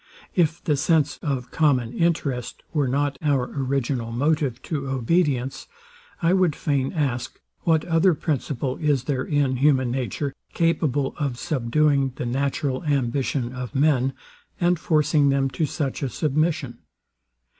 If the sense of common interest were not our original motive to obedience, I would fain ask, what other principle is there in human nature capable of subduing the natural ambition of men, and forcing them to such a submission?